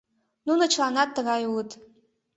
Нуно чыланат тыгай улыт!